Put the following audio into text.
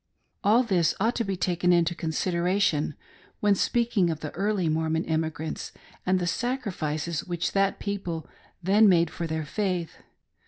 All this ought to be taken inio consideration when speaking of the early Mormon emi gnmts and the sacrifices which that people then made for their faith.